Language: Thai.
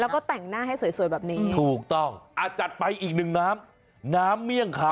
แล้วก็แต่งหน้าให้สวยแบบนี้ถูกต้องอ่ะจัดไปอีกหนึ่งน้ำน้ำเมี่ยงเขา